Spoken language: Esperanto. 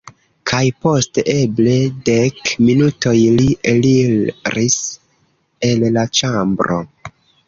Kaj post eble dek minutoj, li eliris el la ĉambro.